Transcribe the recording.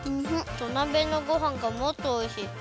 土鍋のごはんがもっとおいしい。